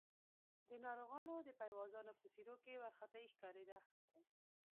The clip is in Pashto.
د ناروغانو د پيوازانو په څېرو کې وارخطايي ښکارېده.